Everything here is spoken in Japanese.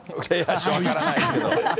分からないですけど。